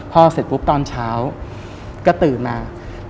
พอเสร็จปุ๊บตอนเช้าก็ตื่นมา